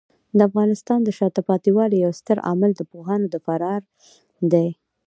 د افغانستان د شاته پاتې والي یو ستر عامل د پوهانو د فرار دی.